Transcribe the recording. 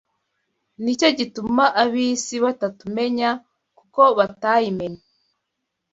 Ni cyo gituma ab’isi batatumenya, kuko batayimenye